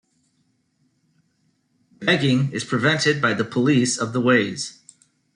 Begging is prevented by the police of the ways.